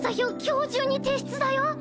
今日中に提出だよ？